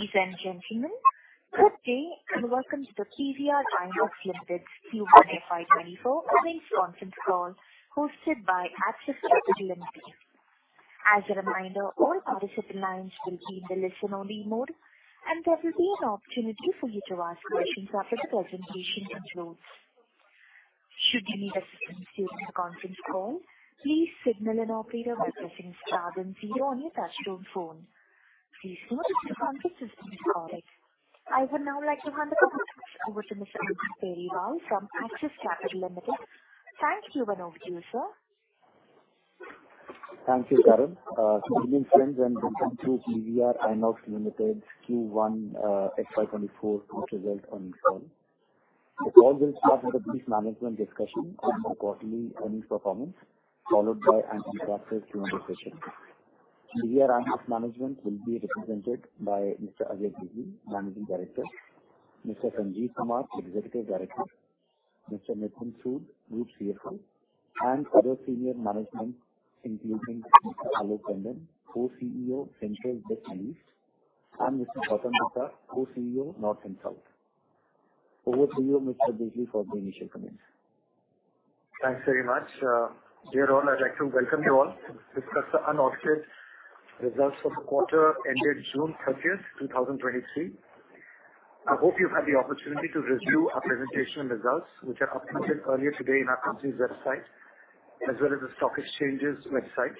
Ladies and gentlemen, good day and welcome to the PVR INOX Limited Q1 FY 2024 Earnings Conference Call, hosted by Axis Capital Limited. As a reminder, all participant lines will be in the listen-only mode, and there will be an opportunity for you to ask questions after the presentation concludes. Should you need assistance during the conference call, please signal an operator by pressing star then zero on your touchtone phone. Please note, if the conference system is correct. I would now like to hand the conference over to Mr. Ankur Periwal from Axis Capital Limited. Thank you, and over to you, sir. Thank you, Carol. Good evening, friends, and welcome to PVR INOX Limited Q1 FY 2024 Post-Results Earnings Call. The call will start with a brief management discussion on our quarterly earnings performance, followed by an interactive Q&A session. PVR INOX management will be represented by Mr. Ajay Bijli, Managing Director, Mr. Sanjeev Kumar, Executive Director, Mr. Nitin Sood, Group CFO, and other senior management, including Mr. Alok Tandon, Co-CEO, Central, West, and East; and Mr. Gautam Dutta, Co-CEO, North and South. Over to you, Mr. Bijli, for the initial comments. Thanks very much. Dear all, I'd like to welcome you all to discuss the unaudited results for the quarter ended June 30th, 2023. I hope you've had the opportunity to review our presentation and results, which are uploaded earlier today in our company's website, as well as the stock exchanges website.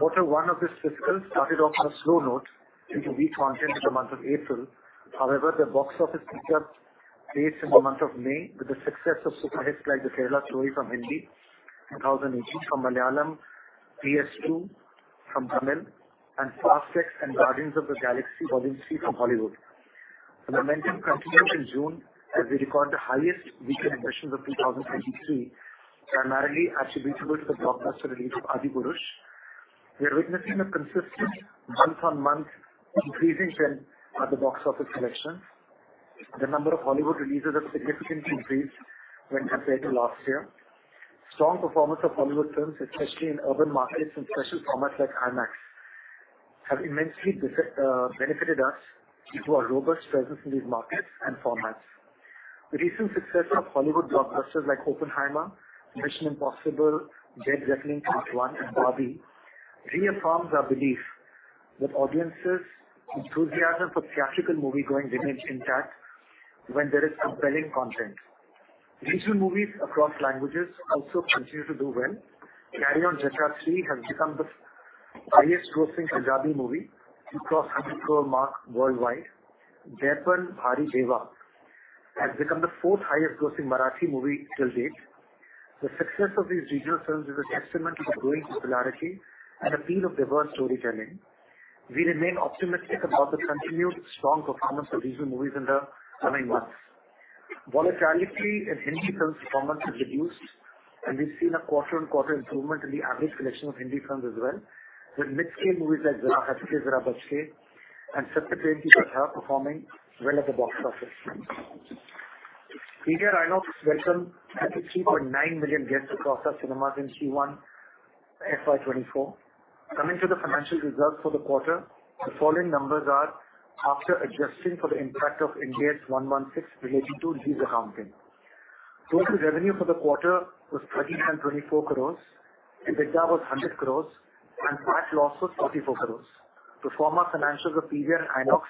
Q1 of this fiscal started off on a slow note due to weak content in the month of April. The box office picked up pace in the month of May with the success of super hits like The Kerala Story from Hindi, 2018 from Malayalam, PS-2 from Tamil, and Fast X and Guardians of the Galaxy Vol. 3 from Hollywood. The momentum continued in June as we recorded the highest weekend admissions of 2023, primarily attributable to the blockbuster release of Adipurush. We are witnessing a consistent month-on-month increasing trend at the box office collection. The number of Hollywood releases have significantly increased when compared to last year. Strong performance of Hollywood films, especially in urban markets and special formats like IMAX, have immensely benefited us due to our robust presence in these markets and formats. The recent success of Hollywood blockbusters like Oppenheimer, Mission: Impossible - Dead Reckoning Part One, and Barbie, reaffirms our belief that audiences' enthusiasm for theatrical moviegoing remains intact when there is compelling content. Regional movies across languages also continue to do well. Carry On Jatta 3 has become the highest grossing Punjabi movie to cross INR 100 crore mark worldwide. Baipan Bhari Deva has become the fourth highest-grossing Marathi movie till date. The success of these regional films is a testament to the growing popularity and appeal of diverse storytelling. We remain optimistic about the continued strong performance of regional movies in the coming months. Volatility in Hindi films performance has reduced, and we've seen a quarter-on-quarter improvement in the average collection of Hindi films as well, with mid-scale movies like Zara Hatke Zara Bachke and Satyaprem Ki Katha performing well at the box office. PVR INOX welcomed 33.9 million guests across our cinemas in Q1 FY 2024. Coming to the financial results for the quarter, the following numbers are after adjusting for the impact of Ind AS 116 related to lease accounting. Total revenue for the quarter was 1,324 crore, EBITDA was 100 crore, and PAT loss was 44 crore. Pro forma financials of PVR and INOX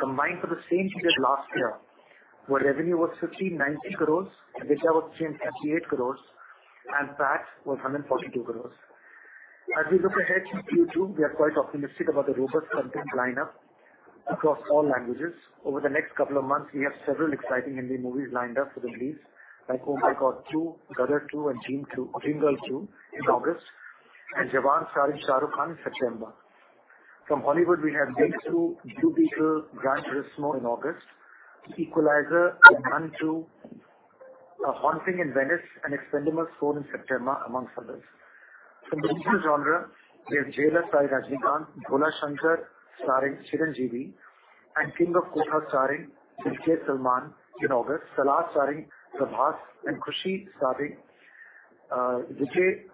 combined for the same period last year, where revenue was 1,590 crore, EBITDA was 338 crore, and PAT was 142 crore. As we look ahead to Q2, we are quite optimistic about the robust content lineup across all languages. Over the next couple of months, we have several exciting Hindi movies lined up for release, like OMG 2, Gadar 2, and Dream Girl 2 in August, and Jawan, starring Shah Rukh Khan in September. From Hollywood, we have Meg 2, Blue Beetle, Gran Turismo in August, The Equalizer 3, The Nun II, A Haunting in Venice, and Expend4bles in September, amongst others. From the regional genre, we have Jailer, starring Rajinikanth, Bhola Shankar, starring Chiranjeevi, and King of Kotha, starring Dulquer Salmaan in August. Salaar, starring Prabhas, and Kushi, starring Vijay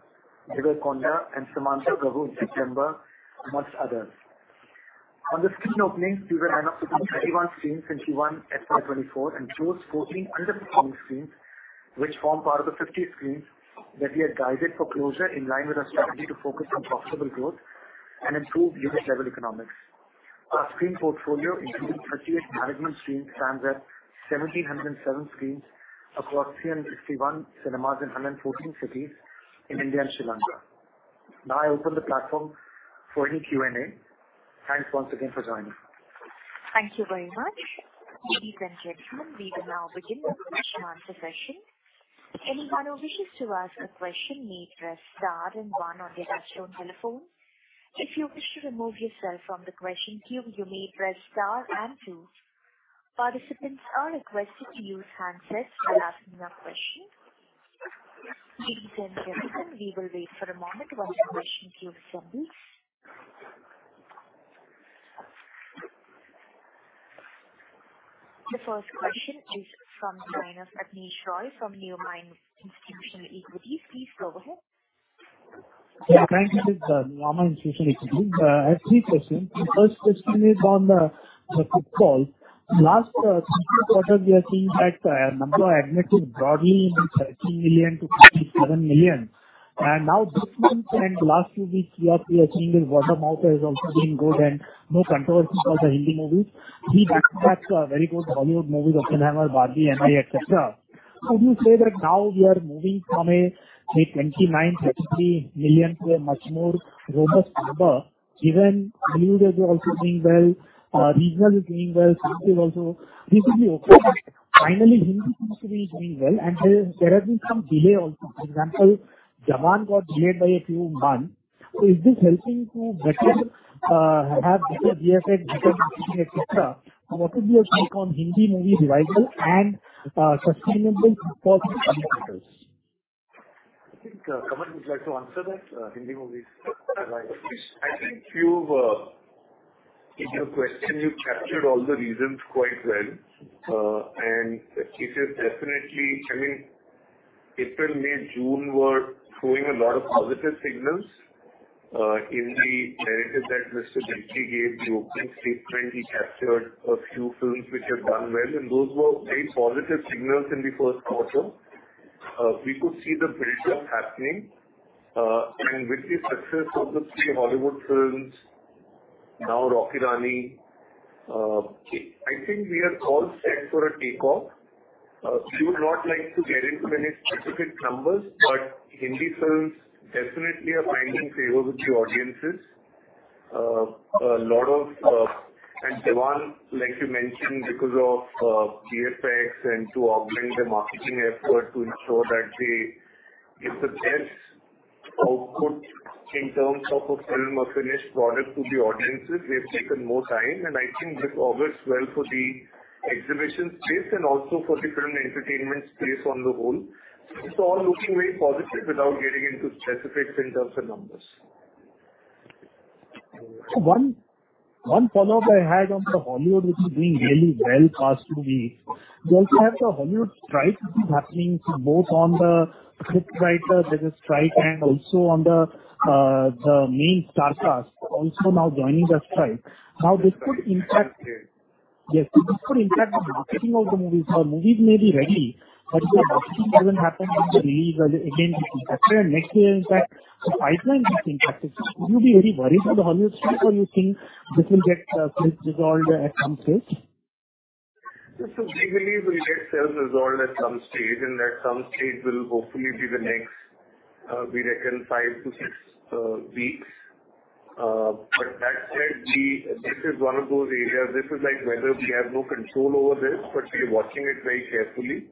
Deverakonda, and Samantha Ruth Prabhu in September, amongst others. On the screen openings, [PVR INOX] 31 screens in Q1 FY 2024 and closed 14 underperforming screens, which form part of the 50 screens that we had guided for closure in line with our strategy to focus on profitable growth and improve unit-level economics. Our screen portfolio, including 38 management screens, stands at 1,707 screens across 361 cinemas in 114 cities in India and Sri Lanka. Now, I open the platform for any Q&A. Thanks once again for joining. Thank you very much. Ladies and gentlemen, we will now begin the question and answer session. Anyone who wishes to ask a question may press star then one on your touchtone telephone. If you wish to remove yourself from the question queue, you may press star and two. Participants are requested to use handsets while asking their question. Ladies and gentlemen, we will wait for a moment while the question The first question is from the line of Abneesh Roy from Nuvama Institutional Equities. Please go ahead. Yeah, thank you. This is Nuvama Institutional Equities. I have three questions. The first question is on the footfall. Last three quarters, we are seeing that number of footfalls broadly in 30 million to 37 million. Now this month and last few weeks, we are seeing this word of mouth is also doing good and no controversy for the Hindi movies. We have a very good Hollywood movies, Oppenheimer, Barbie, MI, et cetera. Would you say that now we are moving from a, say, 29 million, 33 million to a much more robust number? Even Hollywood is also doing well. Regional is doing well, south is also, reasonably okay. Finally, Hindi seems to be doing well, and there have been some delay also. For example, Jawan got delayed by a few months. Is this helping to better, have better VFX, et cetera? What is your take on Hindi movie revival and, sustainable footfalls? I think, Kamal, would you like to answer that? Hindi movies, right? I think you've, in your question, you've captured all the reasons quite well. It is definitely, I mean, April, May, June were showing a lot of positive signals, in the narrative that Mr. Bijli gave the opening statement. He captured a few films which have done well, and those were very positive signals in the first quarter. We could see the build-up happening, and with the success of the three Hollywood films, now Rocky Rani, I think we are all set for a takeoff. We would not like to get into any specific numbers, but Hindi films definitely are finding favor with the audiences. A lot of, and Jawan, like you mentioned, because of VFX and to augment the marketing effort to ensure that they give the best output in terms of a film, a finished product to the audiences, we have taken more time, and I think this augurs well for the exhibition space and also for the film entertainment space on the whole. It's all looking very positive without getting into specifics in terms of numbers. One, one follow-up I had on the Hollywood, which is doing really well past few weeks. We also have the Hollywood strike, which is happening both on the scriptwriter, there's a strike, and also on the main star cast also now joining the strike. This could impact- Yes, this could impact the marketing of the movies. The movies may be ready, but the marketing doesn't happen in the release or again, this is next year. In fact, the pipeline is impacted. Would you be very worried about the Hollywood strike, or you think this will get self-resolved at some stage? We believe, it will get self-resolved at some stage, and at some stage will hopefully be the next, we reckon five to six weeks. That said, this is one of those areas, this is like weather. We have no control over this, but we're watching it very carefully.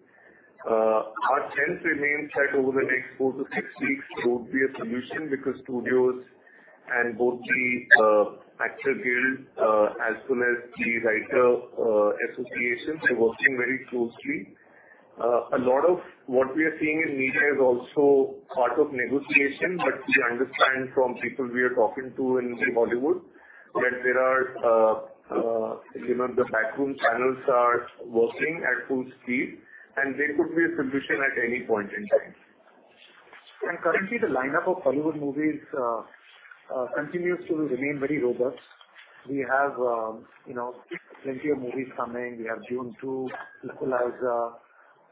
Our sense remains that over the next four to six weeks, there would be a solution because studios and both the Actors Guild, as well as the Writers Associations are working very closely. A lot of what we are seeing in media is also part of negotiation, but we understand from people we are talking to in Hollywood that there are, you know, the backroom channels are working at full speed, and there could be a solution at any point in time. Currently, the lineup of Hollywood movies continues to remain very robust. We have, you know, plenty of movies coming. We have Dune Two, The Equalizer,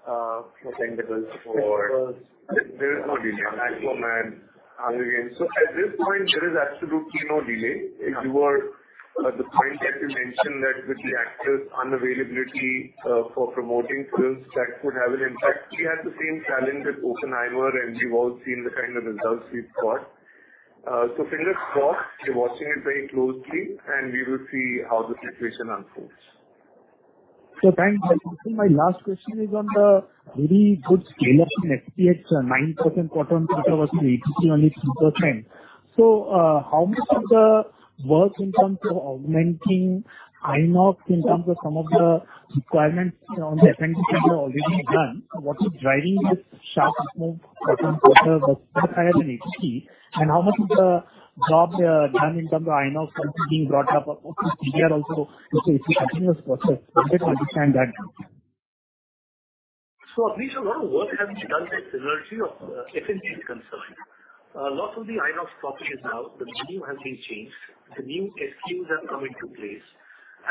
Expendables, Aquaman? At this point, there is absolutely no delay. If you were at the point that you mentioned that with the actors' unavailability, for promoting films, that would have an impact. We had the same challenge with Oppenheimer, and we've all seen the kind of results we've got. So, fingers crossed. We're watching it very closely, and we will see how the situation unfolds. Thanks. My last question is on the very good scale up in SPH, 9% quarter-on-quarter versus ATP, only 3%. How much of the work in terms of augmenting INOX, in terms of some of the requirements on the [F&B] side, are already done? What is driving this sharp growth quarte-on-quarter higher than ATP, and how much of the job done in terms of INOX being brought up, [PVR] also is a continuous process. I just want to understand that. Abneesh a lot of work has been done in synergy of F&B is concerned. A lot of the INOX properties now, the menu has been changed, the new SKUs have come into place,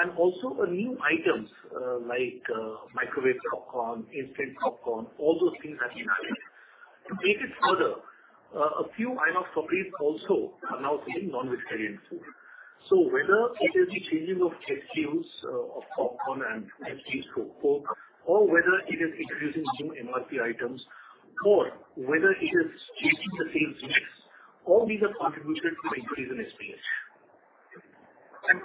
and also new items, like, microwave popcorn, instant popcorn, all those things have been added. To make it further, a few INOX properties also are now selling non-vegetarian food. So whether it is the changing of SKUs, of popcorn and [Pepsis, or Coke] or whether it is introducing new MRP items, or whether it is changing the sales mix, all these have contributed to the increase in SPH.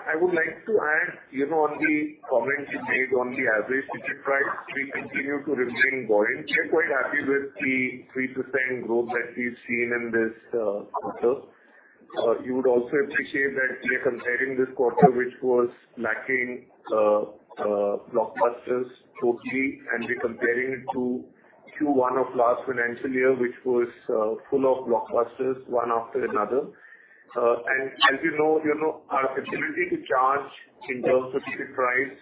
I would like to add, you know, on the comment you made on the average ticket price, we continue to retain buoyant. We're quite happy with the 3% growth that we've seen in this quarter. You would also appreciate that we are comparing this quarter, which was lacking blockbusters totally, and we're comparing it to Q1 of last financial year, which was full of blockbusters, one after another. As you know, you know, our ability to charge in terms of ticket price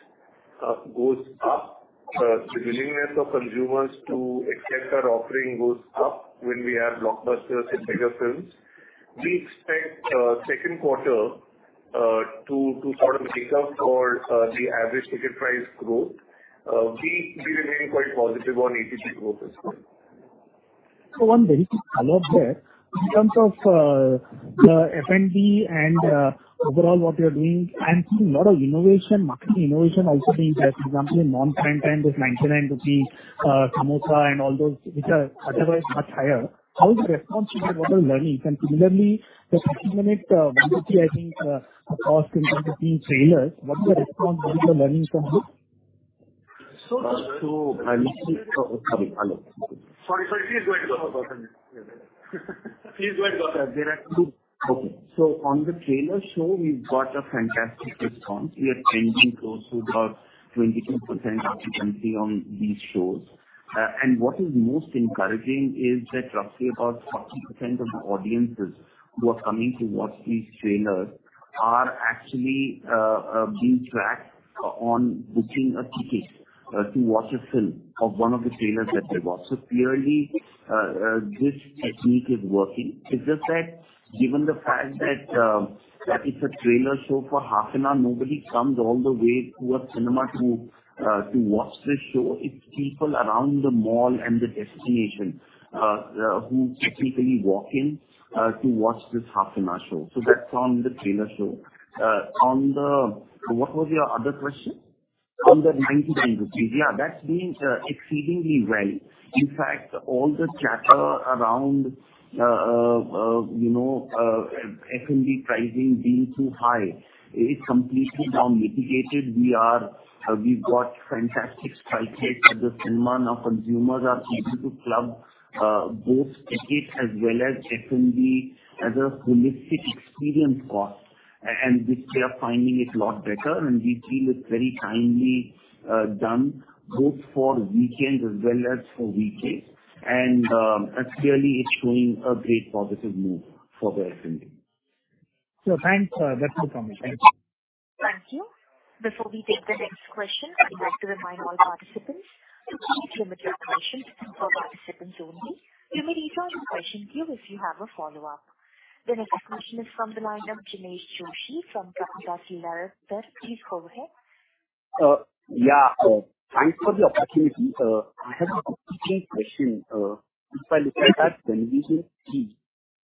goes up. The willingness of consumers to accept our offering goes up when we have blockbusters and bigger films. We expect second quarter to sort of make up for the average ticket price growth. We remain quite positive on ATP growth as well. One very quick follow-up there. In terms of the F&B and overall what you're doing, I'm seeing a lot of innovation, marketing innovation also being there. For example, in non-prime time, those 99 rupee samosa and all those which are otherwise much higher. How is the response and what are you learning? Similarly, the 30-minute, 1, I think, cost in terms of being trailers, what is the response and the learnings from this? Sorry, hello. Sorry, sorry, please go ahead. Please go ahead. There are two. Okay. On the trailer show, we've got a fantastic response. We are changing those to about 22% occupancy on these shows. And what is most encouraging is that roughly about 40% of the audiences who are coming to watch these trailers are actually being tracked on booking a ticket to watch a film of one of the trailers that they watched. Clearly, this technique is working. It's just that given the fact that it's a trailer show for half an hour, nobody comes all the way to a cinema to watch this show. It's people around the mall and the destination who typically walk in to watch this half-an-hour show. That's on the trailer show. On the- What was your other question? On the 99 rupees. Yeah, that's doing exceedingly well. In fact, all the chatter around, you know, F&B pricing being too high is completely now mitigated. We've got fantastic strike rates at the cinema. Now, consumers are seeming to club, both tickets as well as F&B as a holistic experience cost, and which they are finding it a lot better, and we feel it's very timely, done both for weekends as well as for weekdays. Clearly it's showing a great positive move for the F&B. Thanks, that's all from me. Thank you. Thank you. Before we take the next question, I'd like to remind all participants to please limit your questions for participants only. You may rejoin the question queue if you have a follow-up. The next question is from the line of Jinesh Joshi from Prabhudas Lilladher. Please go ahead. Yeah, thanks for the opportunity. I have a bookkeeping question. If I look at that convenience fee,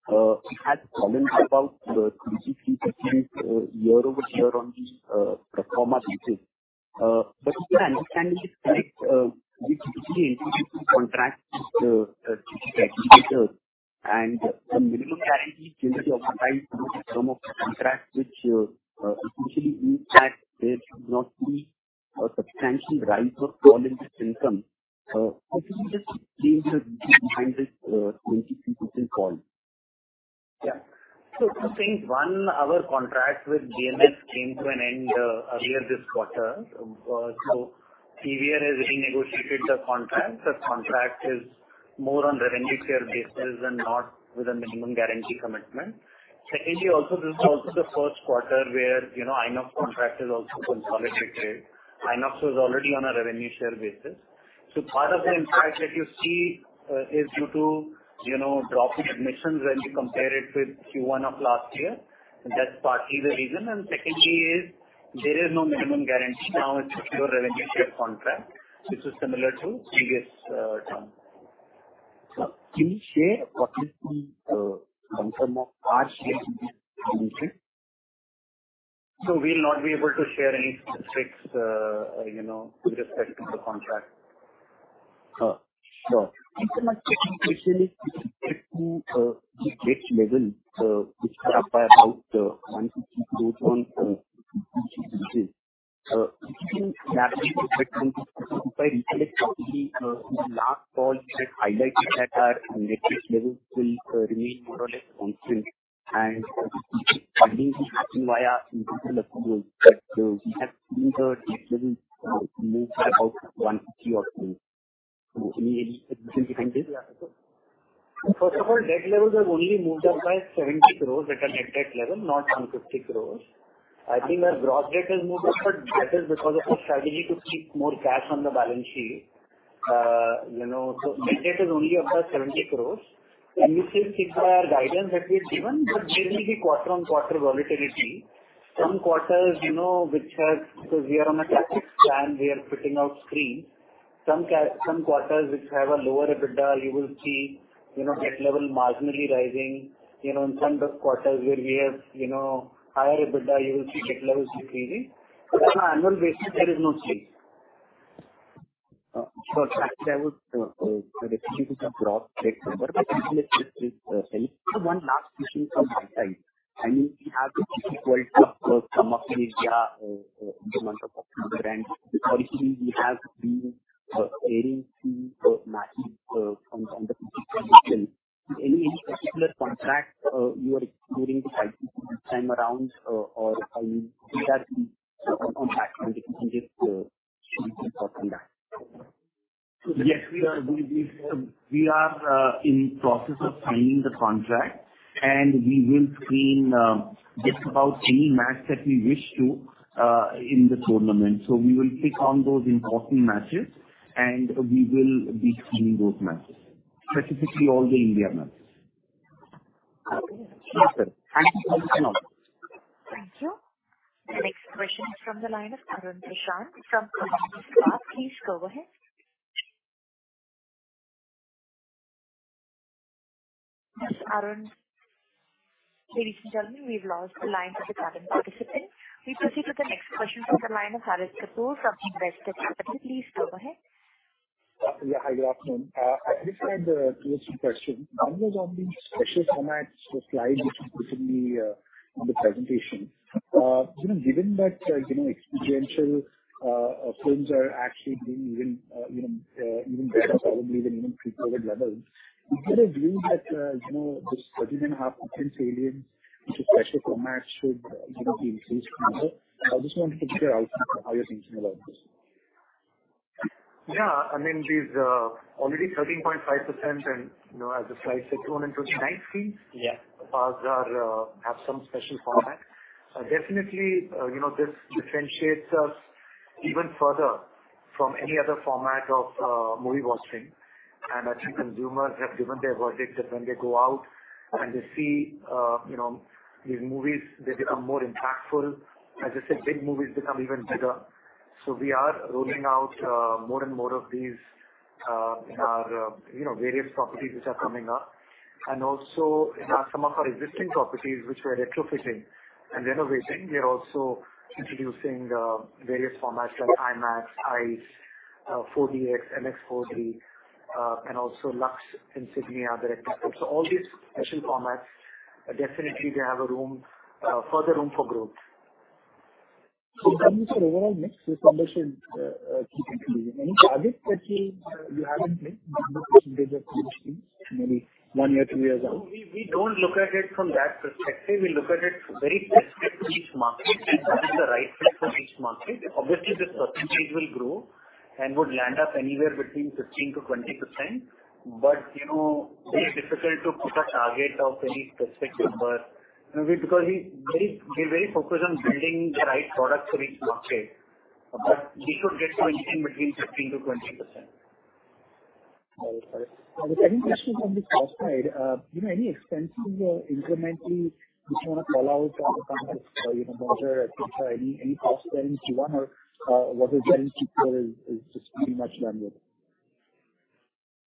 it has fallen by about 23% year-over-year on the pro forma basis. If my understanding is correct, we typically enter into some contracts to ticket aggregators and the minimum guarantee to the term of contract, which you essentially impact, that there should not be a substantial rise or fall in this income. Could you just explain the behind this 23% fall? Yeah. Two things. One, our contract with BMS came to an end earlier this quarter. PVR has renegotiated the contract. The contract is more on the revenue share basis and not with a minimum guarantee commitment. Secondly, also, this is also the first quarter where, you know, INOX contract is also consolidated. INOX was already on a revenue share basis. Part of the impact that you see is due to, you know, drop in admissions when you compare it with Q1 of last year, and that's partly the reason. Secondly, there is no minimum guarantee. Now, it's a pure revenue share contract, which is similar to previous term. Can you share what is the quantum of our share? We'll not be able to share any specifics, you know, with respect to the contract. Sure. My second question is, the debt level, which is up by about INR 150 crore on sequential basis. the last call, you had highlighted that our net debt levels will remain more or less constant, and CapEx funding is happening via internal accruals, but we have seen the debt levels move by about INR 150 crore or so. Any reason behind this? First of all, debt levels have only moved up by 70 crore at a net debt level, not 150 crore. I think our gross debt has moved up, that is because of our strategy to keep more cash on the balance sheet. You know, so net debt is only about 70 crore, and we stick by the guidance that we've given, but there will be quarter-on-quarter volatility. Some quarters, you know, which because we are on a CapEx plan, we are fitting out screens. Some quarters which have a lower EBITDA, you will see, you know, debt level marginally rising. You know, in some of the quarters where we have, you know, higher EBITDA, you will see debt levels decreasing. On an annual basis, there is no change. Sure. Thank you. I was referring to gross debt number. One last question from my side. I mean, we have the Cricket World Cup come up in India in the month of October, and historically we have been airing the matches on the Cricket. Any, any particular contract, you are doing this time around, or? Yes, we are. We, we, we are in process of signing the contract. We will screen just about any match that we wish to in the tournament. We will pick on those important matches, and we will be screening those matches, specifically all the India matches. Okay. Thank you. The next question is from the line of Arun Prasath from Avendus Spark. Please go ahead. Mr. Arun? Ladies and gentlemen, we've lost the line of the current participant. We proceed to the next question from the line of Harit Kapoor from Investec Capital. Please go ahead. Yeah. Hi, good afternoon. I just had two question. One was on the special formats slide, which is particularly on the presentation. you know, given that, you know, experiential films are actually doing even, you know, even better, probably even pre-COVID levels, you get a view that, you know, this 13.5% salience, which is special format, should, you know, be increased? I just want to get your outcome, how you're thinking about this. Yeah, I mean, these, already 13.5%, you know, as the slide said, in 229 screens, have some special format. Definitely, you know, this differentiates us even further from any other format of movie watching. I think consumers have given their verdict that when they go out and they see, you know, these movies, they become more impactful. As I said, big movies become even bigger. We are rolling out more and more of these in our, you know, various properties which are coming up, and also in our some of our existing properties, which we're retrofitting and renovating. We are also introducing various formats like IMAX, ICE, 4DX, MX4D, and also LUXE, [Insignia], [Director's Cut]. All these special formats, definitely they have a room, further room for growth. In terms of overall mix, this number should keep increasing. Any target that you have in mind, maybe percentage of industry, maybe one year, two years out? We don't look at it from that perspective. We look at it very specific to each market and what is the right fit for each market. Obviously, this percentage will grow and would land up anywhere between 15%-20%. You know, very difficult to put a target of any perspective, but maybe because we're very focused on building the right product for each market, but we should get to anything between 15%-20%. Got it. The second question on the cost side, you know, any expenses, incrementally which you want to call out on the merger? Any, any cost there in Q1, what was there in Q4, is pretty much done with?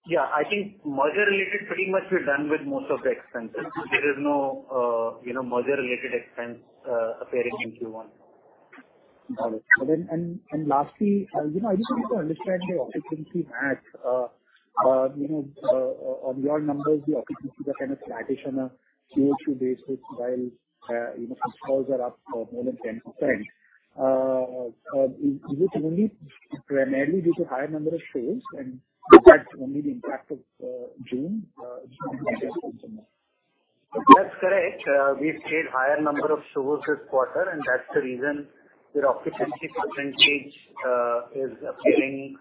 Yeah, I think merger-related pretty much we're done with most of the expenses. There is no, you know, merger-related expense, appearing in Q1. Got it. Lastly, you know, I just want to understand the occupancy math, you know, on your numbers. The occupancy are kind of flattish on a Q-over-Q basis, while, you know, footfalls are up more than 10%. Is this only primarily due to higher number of shows, and is that only the impact of June? That's correct. We've played higher number of shows this quarter, and that's the reason the occupancy percentage is appearing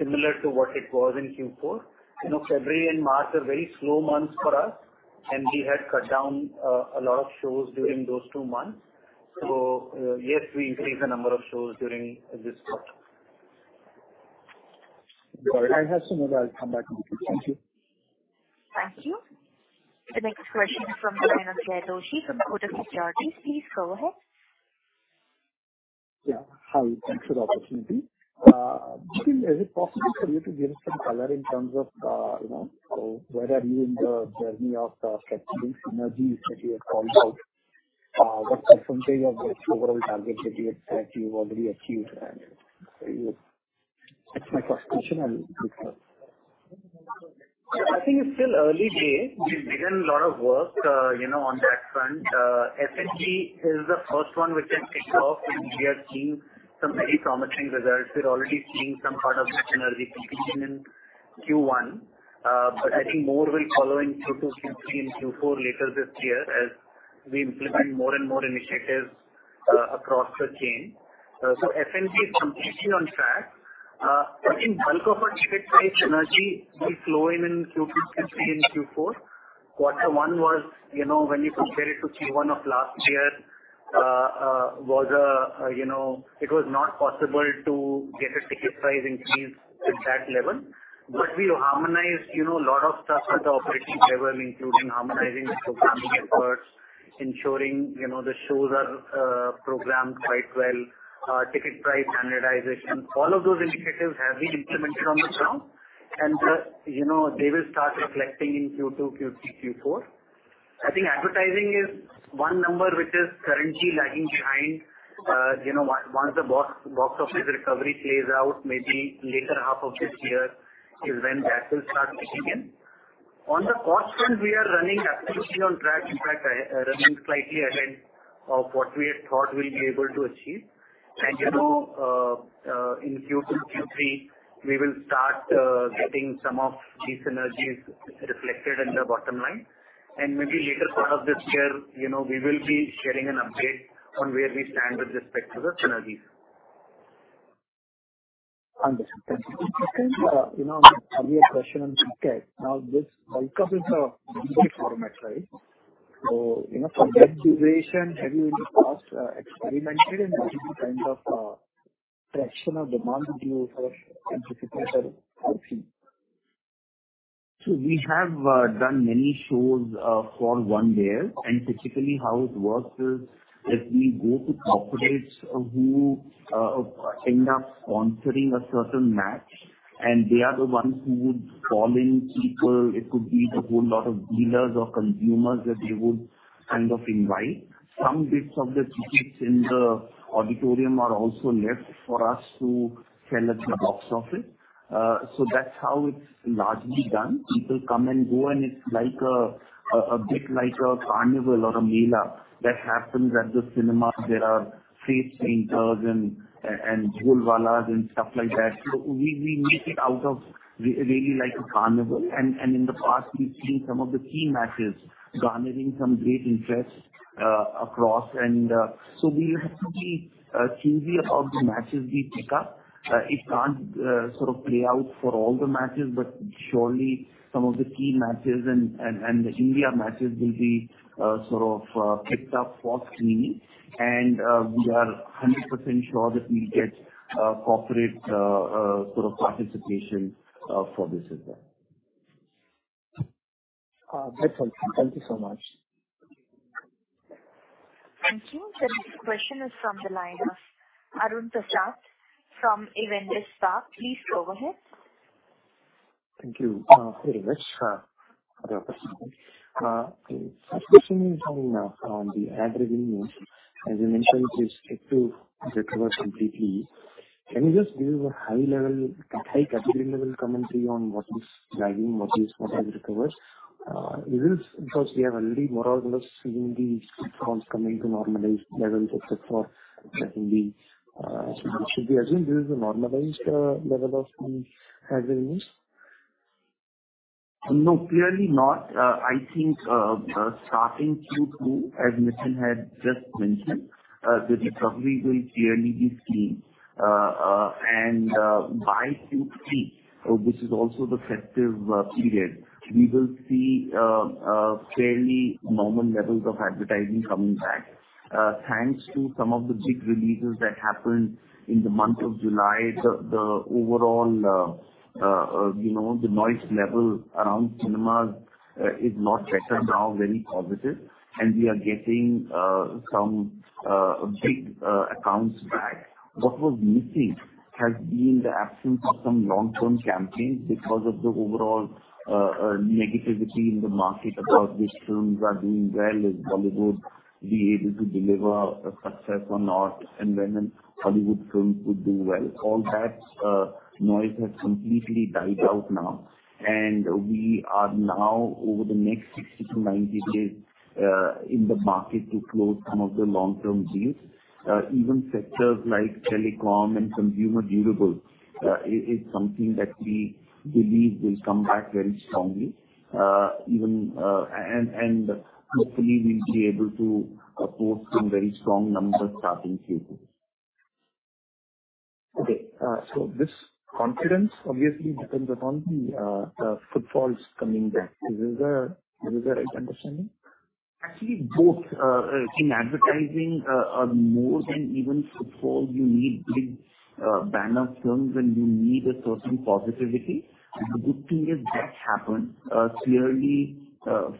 similar to what it was in Q4. You know, February and March are very slow months for us, and we had cut down a lot of shows during those two months. Yes, we increased the number of shows during this quarter. Got it. I have some more. I'll come back on to you. Thank you. Thank you. The next question from the line of Jay Doshi from Kotak Securities. Please go ahead. Yeah. Hi, thanks for the opportunity. Nitin, is it possible for you to give some color in terms of, you know, where are you in the journey of capturing synergy that you had called out? What percentage of the overall target that you, that you've already achieved? So that's my first question. I think it's still early days. We've done a lot of work, you know, on that front. F&B is the first one which can kick off. We are seeing some very promising results. We're already seeing some part of that synergy kicking in, in Q1. I think more will follow in Q2, Q3, and Q4 later this year as we implement more and more initiatives across the chain. F&B is completely on track. In bulk of our ticket price, synergy will flow in, in Q3, Q3, and Q4. Quarter 1 was, you know, when you compare it to Q1 of last year, was, you know, it was not possible to get a ticket price increase at that level. We harmonized, you know, a lot of stuff at the operating level, including harmonizing the programming efforts, ensuring, you know, the shows are programmed quite well, ticket price standardization. All of those initiatives have been implemented on the ground, and, you know, they will start reflecting in Q2, Q3, Q4. I think advertising is one number which is currently lagging behind. You know, once, once the box, box office recovery plays out, maybe later half of this year is when that will start kicking in. On the cost front, we are running absolutely on track. In fact, running slightly ahead of what we had thought we'll be able to achieve. You know, in Q2, Q3, we will start, getting some of these synergies reflected in the bottom line. Maybe later part of this year, you know, we will be sharing an update on where we stand with respect to the synergies. Understood, thank you. You know, I have a question on Cricket. Now, this World Cup is a one-day format, right? So, you know, from that duration, have you in the past, experimented and what kind of, traction or demand do you anticipate? We have done many shows for one-dayers. Typically, how it works is, if we go to corporates who end up sponsoring a certain match. And they are the ones who would call in people, it could be the whole lot of dealers or consumers, that they would kind of invite. Some bits of the tickets in the auditorium are also left for us to sell at the box office. That's how it's largely done. People come and go, and it's like a bit like a carnival or a mela, that happens at the cinemas. There are face painters and dholwallahs and stuff like that. We, we make it out of really like a carnival. In the past, we've seen some of the key matches garnering some great interest across. So we have to be choosy about the matches we pick up. It can't sort of play out for all the matches, but surely some of the key matches and, and, and India matches will be sort of picked up for screening. We are 100% sure that we'll get corporate sort of participation for this as well. That's all. Thank you so much. Thank you. The next question is from the line of Arun Prasath from Avendus Spark. Please go ahead. Thank you very much. First question is on on the ad revenues. As you mentioned, it's yet to recover completely. Can you just give a high level, high category level commentary on what is lagging, what is, what has recovered? Is it because we have already more or less seen these footfalls coming to normalized levels, et cetera, except for Hindi. Should we assumed this is a normalized level of ad revenues? No, clearly not. I think, starting Q2, as Nitin had just mentioned, the recovery will clearly be seen. By Q3, which is also the festive period, we will see fairly normal levels of advertising coming back. Thanks to some of the big releases that happened in the month of July, the, the overall, you know, the noise level around cinemas, is lot better now, very positive. We are getting some big accounts back. What was missing has been the absence of some long-term campaigns because of the overall negativity in the market about which films are doing well, is Bollywood be able to deliver a success or not, and when a Hollywood film could do well. All that noise has completely died out now, and we are now over the next 60-90 days in the market to close some of the long-term deals. Even sectors like telecom and consumer durables is, is something that we believe will come back very strongly even. Hopefully, we'll be able to report some very strong numbers starting Q2. Okay. so this confidence obviously depends upon the footfalls coming back. Is this the, is this the right understanding? Actually, both. In advertising, more than even footfall, you need big banner films and you need a certain positivity. The good thing is that happened. Clearly,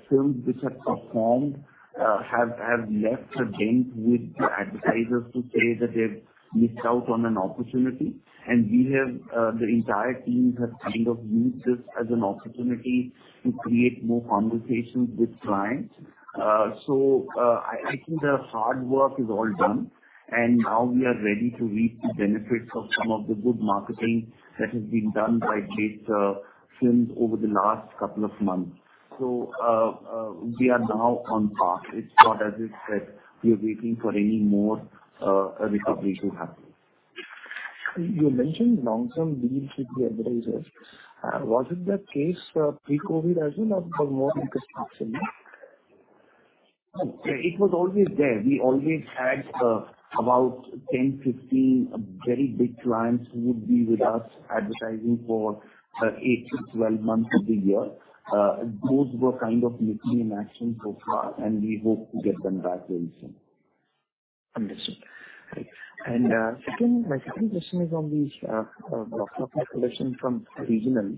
films which have performed, have left a dent with the advertisers to say that they've missed out on an opportunity. We have, the entire team have kind of used this as an opportunity to create more conversations with clients. I think the hard work is all done, and now we are ready to reap the benefits of some of the good marketing that has been done by big films over the last couple of months. We are now on path. It's not as if that we are waiting for any more recovery to happen. You mentioned long-term deals with the advertisers. Was it the case, pre-COVID as well, or more like a spot selling? No, it was always there. We always had, about 10, 15 very big clients who would be with us advertising for, 8-12 months of the year. Those were kind of missing in action so far, and we hope to get them back very soon. Understood. Thank you. Second, my second question is on these box-office collection from regional.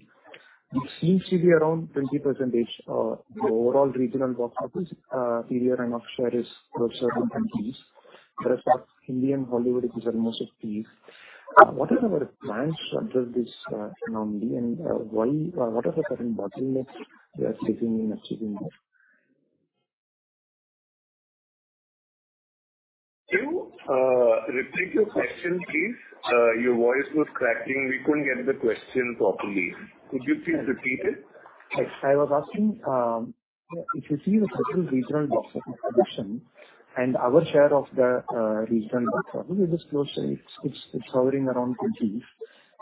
It seems to be around 20%, the overall regional box office period and of share is for certain countries. Whereas for Indian- Hollywood, it is almost 50%. What are our plans to address this anomaly? Why or what are the current bottlenecks we are facing in achieving that? Repeat your question, please. Your voice was cracking. We couldn't get the question properly. Could you please repeat it? I was asking, if you see the total regional box office collection and our share of the regional box office, it is closely-- it's, it's hovering around 20s%.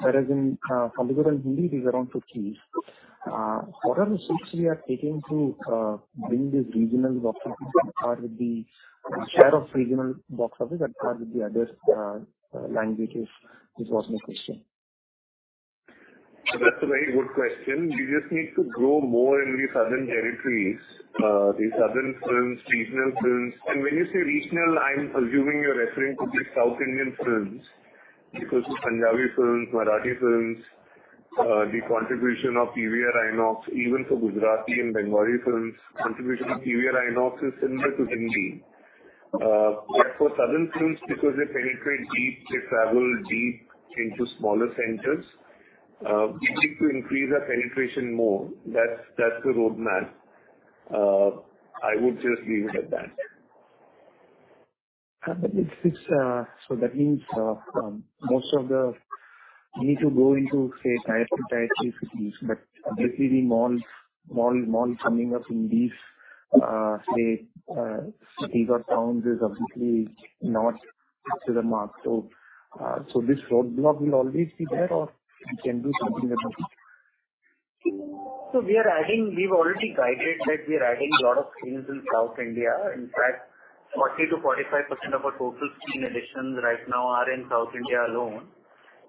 Whereas in Hollywood and Hindi, it is around 50s%. What are the steps we are taking to bring these regional box offices at par with the share of regional box office at par with the other languages? This was my question. That's a very good question. We just need to grow more in the southern territories. the southern films, regional films. When you say regional, I'm assuming you're referring to the South Indian films. Because for Punjabi films, Marathi films, the contribution of PVR INOX, even for Gujarati and Bengali films, contribution of PVR INOX is similar to Hindi. For southern films, because they penetrate deep, they travel deep into smaller centers, we need to increase our penetration more. That's, that's the roadmap. I would just leave it at that. That means most of the need to go into, say, Tier 2, Tier 3 cities, but obviously the mall, mall, mall coming up in these, say, cities or towns is obviously not to the mark. So this roadblock will always be there or we can do something about it? We are adding, we've already guided that we are adding a lot of screens in South India. In fact, 40%-45% of our total screen additions right now are in South India alone,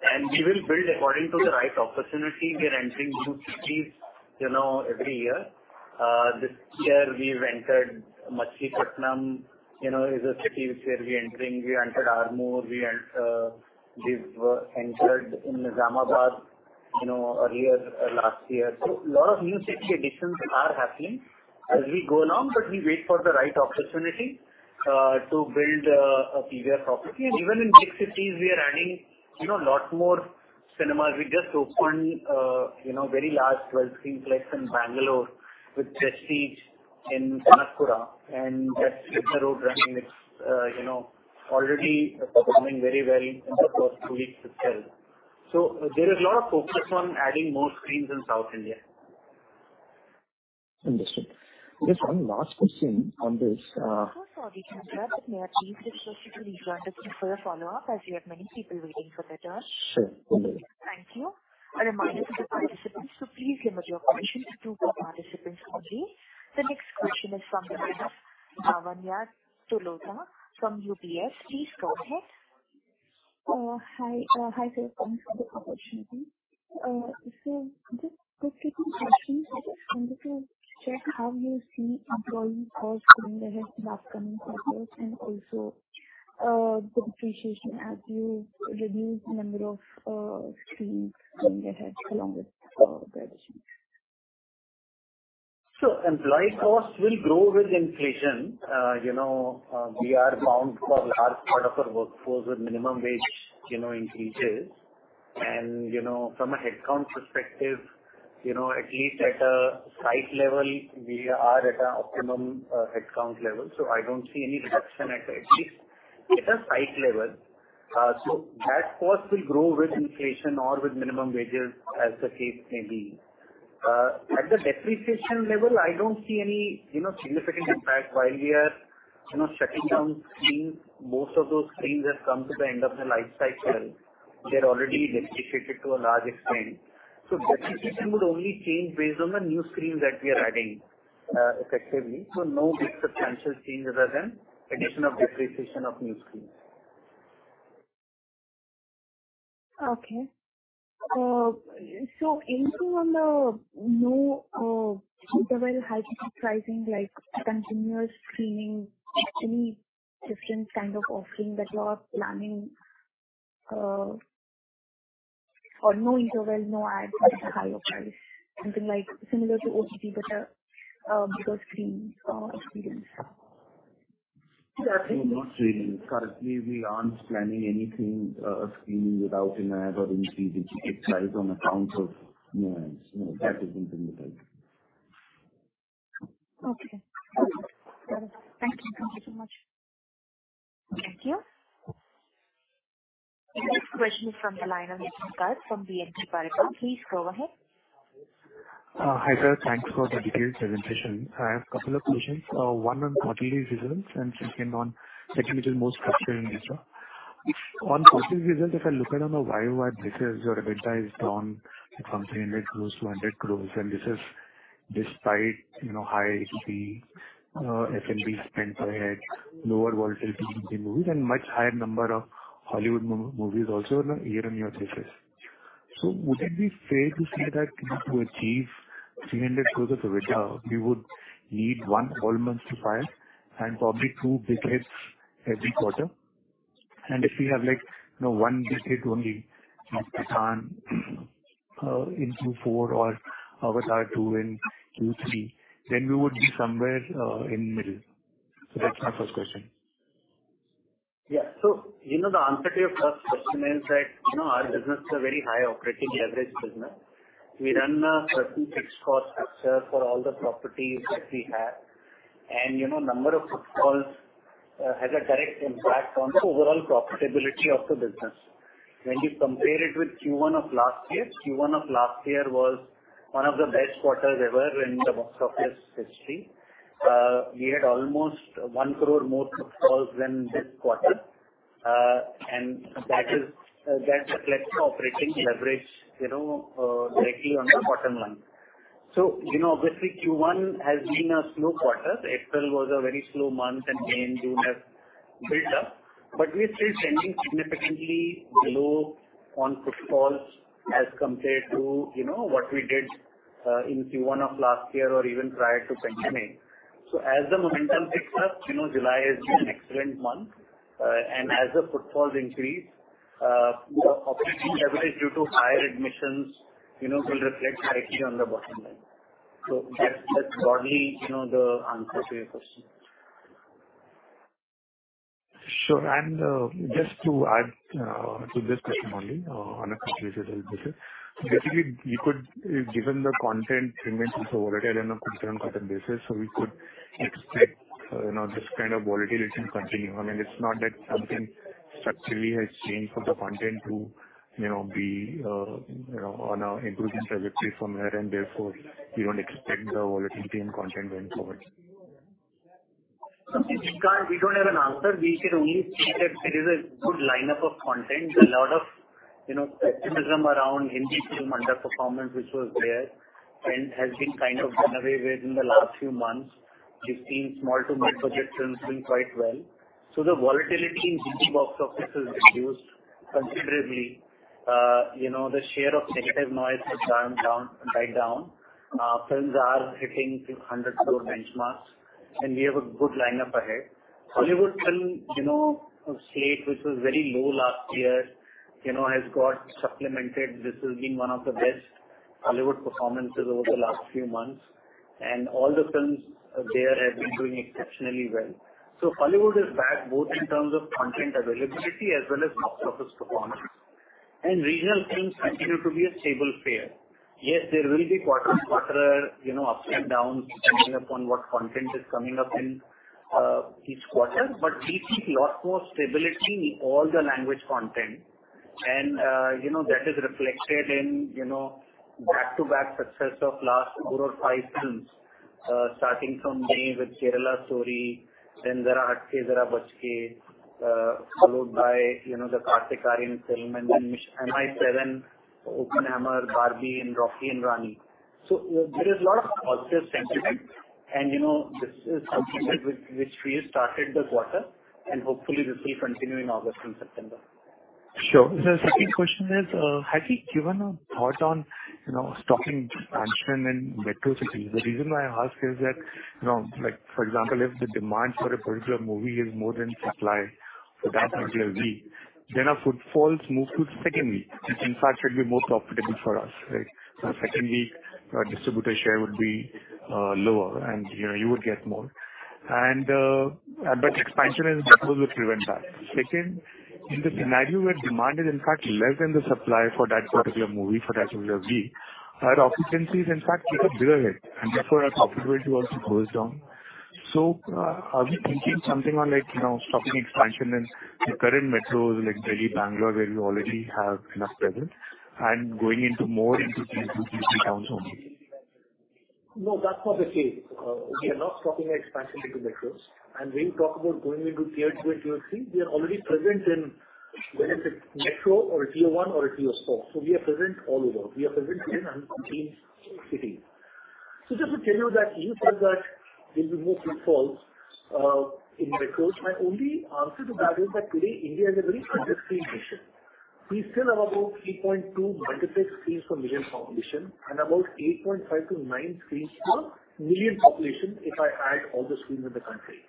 and we will build according to the right opportunity. We are entering new cities, you know, every year. This year we've entered Machilipatnam, you know, is a city which we are entering. We entered Armoor, we enter, we've entered in Nizamabad, you know, earlier, last year. A lot of new city additions are happening as we go along, but we wait for the right opportunity to build a PVR property. Even in big cities, we are adding, you know, a lot more cinemas. We just opened, you know, very large 12-screenplex in Bangalore with Prestige in Kanakapura, and that's in the road running. It's, you know, already performing very well in the first two weeks itself. There is a lot of focus on adding more screens in South India. Understood. Just one last question on this. Sorry, [Mr. Arun], may I please request you to please run this for a follow-up, as we have many people waiting for their turn. Sure. Thank you. A reminder to the participants to please limit your questions to the participants only. The next question is from Lavanya Tottala from UBS. Please go ahead. Hi, hi, sir. Thanks for the opportunity. Just bookkeeping questions. I wanted to check how you see employee costs going ahead with upcoming quarters, and also, the depreciation as you reduce the number of screens going ahead along with the addition. Employee costs will grow with inflation. You know, we are bound for large part of our workforce with minimum wage, you know, increases. You know, from a headcount perspective, you know, at least at a site level, we are at a optimum headcount level. I don't see any reduction at, at least at a site level. That cost will grow with inflation or with minimum wages, as the case may be. At the depreciation level, I don't see any, you know, significant impact while we are, you know, shutting down screens. Most of those screens have come to the end of their life cycle. They're already depreciated to a large extent. Depreciation would only change based on the new screens that we are adding, effectively. No big substantial change other than addition of depreciation of new screens. Okay. Anything on the new interval high ticket pricing, like continuous screening, any different kind of offering that you are planning? Or no interval, no ads, but a higher price, something like similar to OTT, but a bigger screen experience. No, not really. Currently, we aren't planning anything, screening without an ad or anything, which gets priced on account of no ads. That isn't in the plan. Okay. Thank you. Thank you so much. Thank you. The next question is from the line of Nikhil Garg from BNP Paribas. Please go ahead. Hi, sir. Thanks for the detailed presentation. I have a couple of questions. One on quarterly results and second on technically the most structure in this one. On quarterly results, if I look at on a Y-o-Y basis, your EBITDA is down from 300 crore to 100 crore, and this is despite, you know, higher ATP, F&B spend per head, lower volatility in the movies, and much higher number of Hollywood movies also year-over-year basis. Would it be fair to say that to achieve 300 crore of EBITDA, we would need one whole month to file and probably two big hits every quarter? If we have, like, you know, one big hit only, Pathaan in Q4 or Avatar 2 in Q3, then we would be somewhere in middle. That's my first question. Yeah. You know, the answer to your first question is that, you know, our business is a very high operating leverage business. We run a certain fixed-cost structure for all the properties that we have. You know, number of footfalls has a direct impact on the overall profitability of the business. When you compare it with Q1 of last year, Q1 of last year was one of the best quarters ever in the box office history. We had almost 1 crore more footfalls than this quarter. That is, that reflects operating leverage, you know, directly on the bottom line. You know, obviously Q1 has been a slow quarter. April was a very slow month, and May and June have built up. We're still trending significantly low on footfalls as compared to, you know, what we did in Q1 of last year or even prior to pandemic. As the momentum picks up, you know, July has been an excellent month. As the footfalls increase, the operating leverage due to higher admissions, you know, will reflect directly on the bottom line. That's, that's broadly, you know, the answer to your question. Just to add to this question only on a quarterly result basis. Basically, you could given the content remains also volatile on a quarter-on-quarter basis, we could expect, you know, this kind of volatility to continue. I mean, it's not that something structurally has changed for the content to, you know, be, you know, on an improving trajectory from here, and therefore, we don't expect the volatility in content going forward? We don't have an answer. We can only say that there is a good lineup of content. There's a lot of, you know, pessimism around Hindi film underperformance, which was there and has been kind of done away with in the last few months. We've seen small to mid-budget films doing quite well. The volatility in Hindi box office is reduced considerably. You know, the share of negative noise has gone down, died down. Films are hitting 100 crore benchmarks, and we have a good lineup ahead. Hollywood film, you know, a slate which was very low last year, you know, has got supplemented. This has been one of the best Hollywood performances over the last few months, and all the films there have been doing exceptionally well. Hollywood is back, both in terms of content availability as well as box office performance, and regional films continue to be a stable fare. Yes, there will be quarter-on-quarter, you know, ups and downs, depending upon what content is coming up in each quarter. We see lot more stability in all the language content and, you know, that is reflected in, you know, back-to-back success of last four or five films, starting from May with Kerala Story, then Zara Hatke Zara Bachke, followed by, you know, the Kartik Aaryan film and then MI7, Oppenheimer, Barbie, and Rocky and Rani. There is a lot of positive sentiment and, you know, this is something with which we started the quarter and hopefully this will continue in August and September. Sure. The second question is, have you given a thought on, you know, stopping expansion in metro cities? The reason why I ask is that, you know, like, for example, if the demand for a particular movie is more than supply for that particular week, then our footfalls move to second week, which in fact, should be more profitable for us, right? Second week, our distributor share would be lower and, you know, you would get more. Expansion in metros would prevent that. Second, in the scenario where demand is in fact less than the supply for that particular movie, for that particular week, our occupancies in fact take a bigger hit, and therefore our profitability also goes down. Are we thinking something on like, you know, stopping expansion in the current metros like Delhi, Bangalore, where you already have enough presence and going into more into tier two, tier three towns only? No, that's not the case. We are not stopping expansion into metros. When you talk about going into Tier 2 and Tier 3, we are already present in, whether it's a metro or a Tier 1 or a Tier 4. We are present all over. We are present in 114 cities. Just to tell you that you said that there'll be more footfalls in metros. My only answer to that is that today India is a very under-screened nation. We still have about 3.2 multiplex screens per million population and about 8.5 screen to 9 screens per million population, if I add all the screens in the country.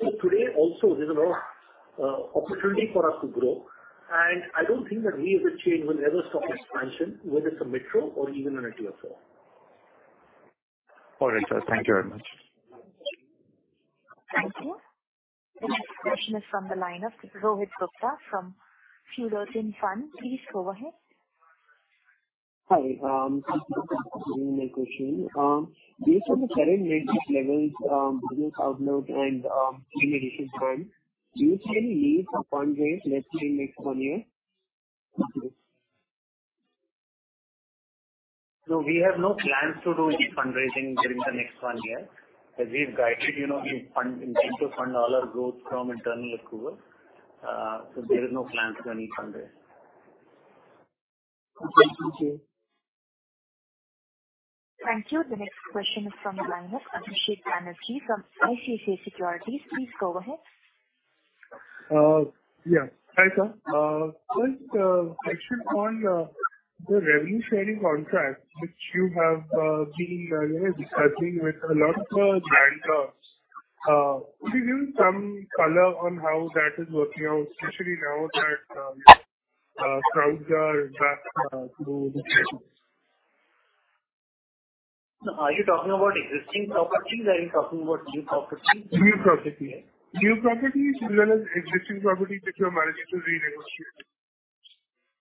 Today also, there's a lot, opportunity for us to grow, and I don't think that we as a chain will ever stop expansion, whether it's a metro or even in a Tier 4. All right, sir. Thank you very much. Thank you. The next question is from the line of Rohit Gupta from Fullerton Fund. Please go ahead. Hi, good morning with my question. Based on the current net-debt levels, business outlook and screen additional time, do you see any need for fundraise, let's say, next one year? No, we have no plans to do any fundraising during the next one year. As we've guided, you know, we fund, we aim to fund all our growth from internal accrual. There is no plans for any fundraise. Okay, thank you. Thank you. The next question is from the line of Abhishek Banerjee from ICICI Securities. Please go ahead. Yeah. Hi, sir. First, actually on the revenue sharing contract, which you have been, you know, discussing with a lot of landlords, could you give some color on how that is working out, especially now that crowds are back to the theaters? Are you talking about existing properties or are you talking about new properties? New properties. New properties as well as existing properties which you are managing to renegotiate.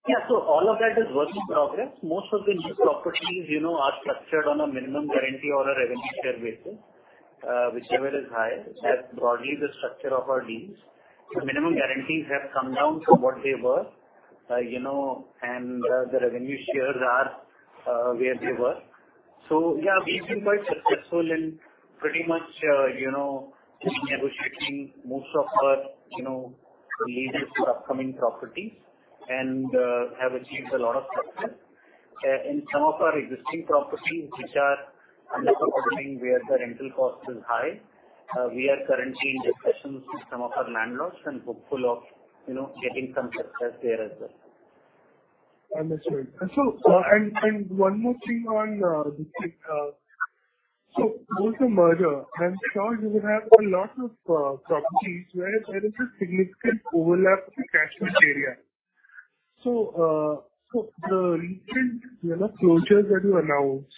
Yeah, all of that is work in progress. Most of the new properties, you know, are structured on a minimum guarantee or a revenue share basis, whichever is higher. That's broadly the structure of our deals. The minimum guarantees have come down from what they were, you know, and the, the revenue shares are where they were. Yeah, we've been quite successful in pretty much, you know, renegotiating most of our, you know, leases for upcoming properties and have achieved a lot of success. In some of our existing properties, which are underperforming, where the rental cost is high, we are currently in discussions with some of our landlords and hopeful of, you know, getting some success there as well. I understand. One more thing on this, post the merger, I'm sure you would have a lot of properties where there is a significant overlap in the catchment area. The recent, you know, closures that you announced,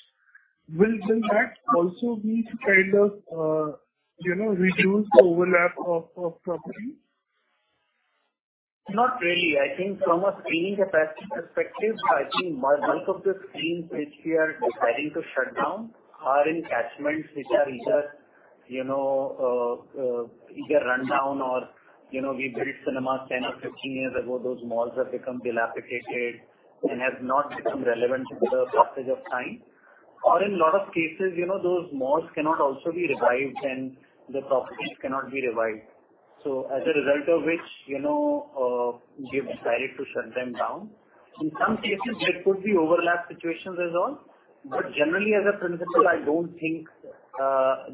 will, will that also be to kind of, you know, reduce the overlap of properties? Not really. I think from a screening perspective, I think bulk of the screens which we are deciding to shut down are in catchments which are either, you know, either rundown or, you know, we built cinemas 10 or 15 years ago. Those malls have become dilapidated and have not become relevant with the passage of time. In a lot of cases, you know, those malls cannot also be revived and the properties cannot be revived. As a result of which, you know, we've decided to shut them down. In some cases, there could be overlap situations as well, but generally, as a principle, I don't think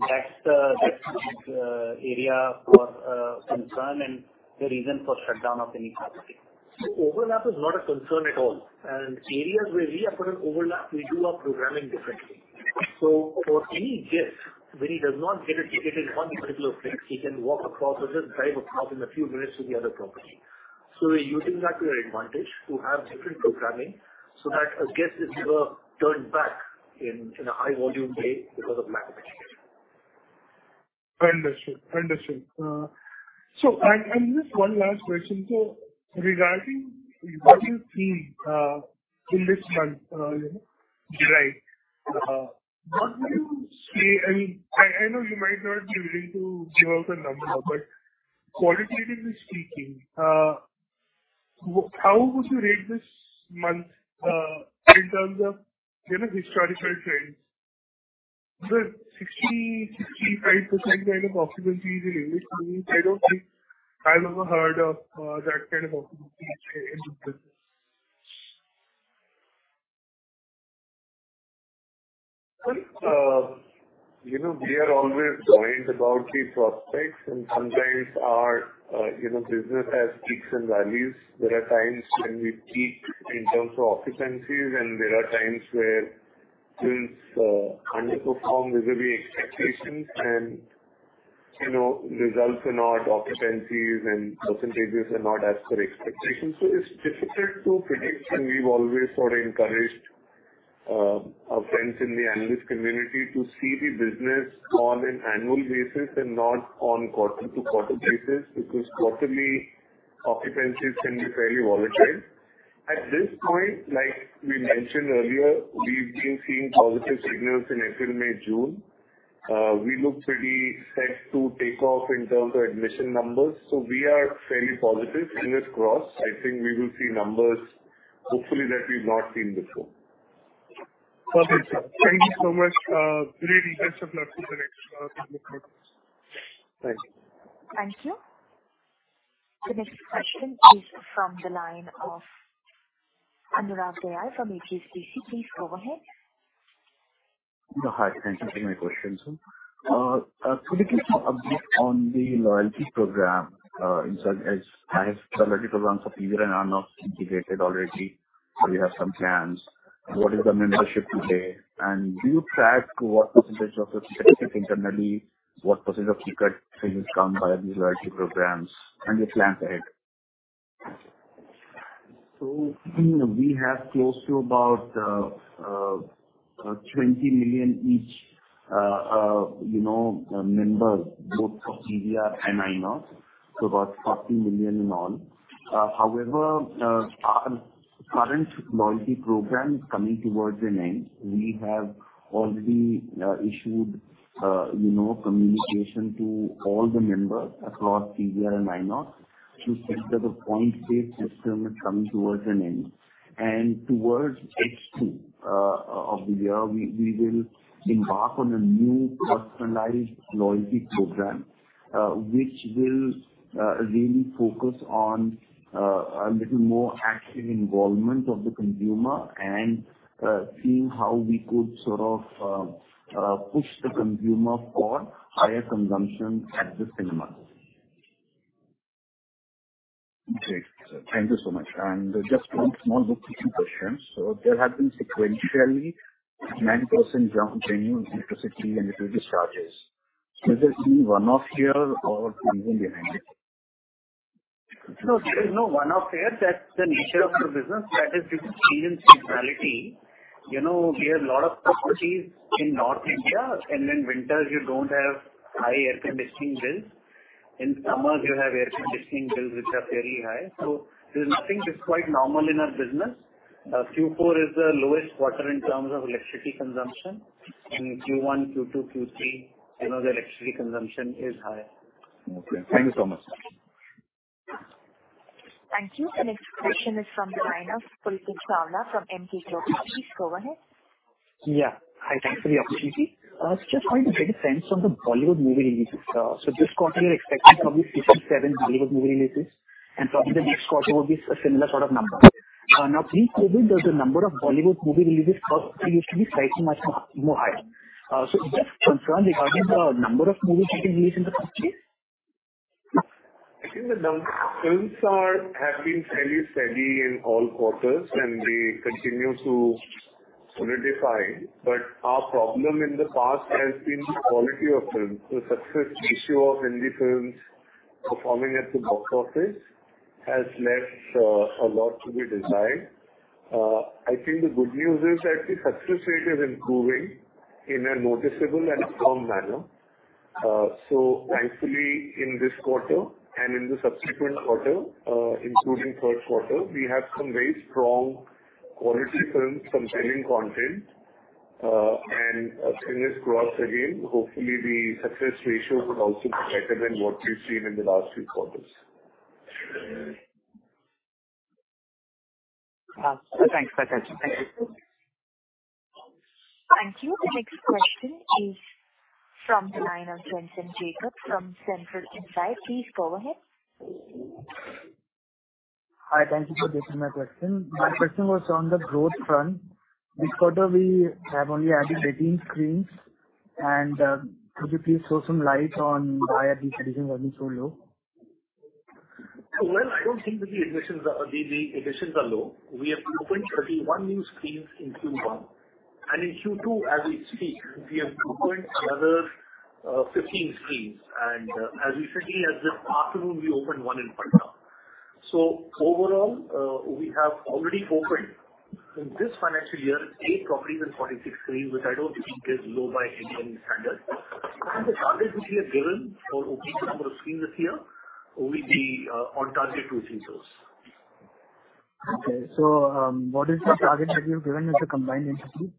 that's the area for concern and the reason for shutdown of any property. Overlap is not a concern at all. Areas where we have an overlap, we do our programming differently. For any guest, when he does not get a ticket in one particular place, he can walk across or just drive across in a few minutes to the other property. We're using that to our advantage to have different programming so that a guest is never turned back in, in a high-volume day because of lack of tickets. I understand. I understand. And, and just one last question. Regarding what you see, in this month, July, what would you say? I know you might not be willing to give out a number, but qualitatively speaking, how would you rate this month, in terms of, you know, historical trends? The 60%-65% kind of occupancies in English movies, I don't think I've ever heard of, that kind of occupancy in business. Well, you know, we are always worried about the prospects, and sometimes our, you know, business has peaks and valleys. There are times when we peak in terms of occupancies, and there are times where films underperform vis-a-vis expectations and, you know, results are not occupancies, and percentages are not as per expectations. So it's difficult to predict, and we've always sort of encouraged, our friends in the analyst community to see the business on an annual basis and not on quarter-to-quarter basis, because quarterly occupancies can be fairly volatile. At this point, like we mentioned earlier, we've been seeing positive signals in April, May, June. We look pretty set to take off in terms of admission numbers, so we are fairly positive, fingers crossed, I think we will see numbers hopefully that we've not seen before. Perfect, sir. Thank you so much. Really best of luck for the next couple of quarters. Thank you. Thank you. The next question is from the line of Anurag Dayal from HSBC. Please go ahead. Hi. Thank you for taking my question, sir. Could you give me an update on the loyalty program in terms as has loyalty programs of PVR INOX integrated already, or you have some plans? What is the membership today, and do you track to what percentage of the ticket internally, what percentage of ticket is come by these loyalty programs and your plans ahead? We have close to about 20 million each, you know, members, both for PVR and INOX, so about 40 million in all. However, our current loyalty program is coming towards an end. We have already issued, you know, communication to all the members across PVR and INOX to say that the point-based system is coming towards an end. Towards H2 of the year, we, we will embark on a new personalized loyalty program, which will really focus on a little more active involvement of the consumer and seeing how we could sort of push the consumer for higher consumption at the cinemas. Okay, thank you so much. Just one small bookkeeping question. There have been sequentially 39% jump in electricity and electricity charges. Is there any one-off here or reason behind it? No, there is no one-off there. That's the nature of the business, that due to change in seasonality. You know, we have a lot of properties in North India, and in winters you don't have high air conditioning bills. In summers, you have air conditioning bills, which are very high. There's nothing that's quite normal in our business. Q4 is the lowest quarter in terms of electricity consumption, and in Q1, Q2, Q3, you know, the electricity consumption is high. Okay, thank you so much. Thank you. The next question is from the line of Pulkit Chawla from Emkay Global. Please go ahead. Yeah. Hi. Thanks for the opportunity. Just wanted to get a sense on the Bollywood movie releases. This quarter you're expecting probably six to seven Bollywood movie releases, and probably the next quarter would be a similar sort of number. Now pre-COVID, the number of Bollywood movie releases is cost used to be slightly much more, more high. Just confirm regarding the number of movies getting released in the country? I think the num- films are, have been fairly steady in all quarters, and they continue to solidify. Our problem in the past has been the quality of films. The success ratio of Hindi films performing at the box office has left a lot to be desired. I think the good news is that the success rate is improving in a noticeable and firm manner. Thankfully, in this quarter and in the subsequent quarter, including third quarter, we have some very strong quality films, some trending content, and fingers crossed again, hopefully, the success ratio will also be better than what we've seen in the last few quarters. Thanks for that. Thank you. Thank you. The next question is from the line of Jensen Jacob from Centra Insights. Please go ahead. Hi, thank you for taking my question. My question was on the growth front. This quarter we have only added 15 screens, and could you please throw some light on why are these additions running so low? Well, I don't think that the admissions are, the additions are low. We have opened 31 new screens in Q1. In Q2, as we speak, we have opened another 15 screens. As we said, just this afternoon, we opened one in Patna. Overall, we have already opened in this financial year, eight properties and 46 screens, which I don't think is low by any standard. The target which we have given for opening the number of screens this year, we'll be on target to achieve those. Okay. What is the target that you've given as a combined entity?